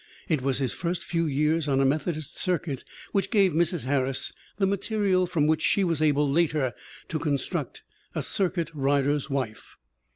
It was his first few years on a Methodist circuit which gave Mrs. Harris the material from which she was able later to construct A Circuit Rider's Wife.